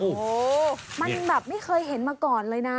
โอ้โหมันแบบไม่เคยเห็นมาก่อนเลยนะ